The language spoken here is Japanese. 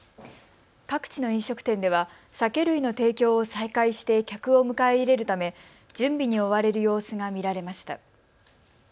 各地の飲食店では酒類の提供を再開して客を迎え入れるため準備に追われる様子が見られました。